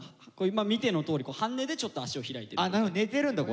見てのとおり半寝でちょっと足を開いてる。